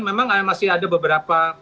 memang masih ada beberapa